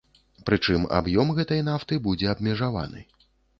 Прычым аб'ём гэтай нафты будзе абмежаваны.